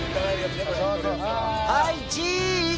はいチーズ！